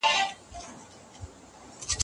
تاسې د خپلو اولادونو په روزنه کې غفلت مه کوئ.